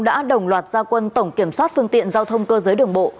đã đồng loạt gia quân tổng kiểm soát phương tiện giao thông cơ giới đường bộ